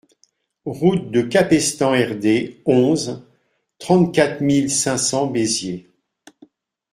Route de Capestang Rd onze, trente-quatre mille cinq cents Béziers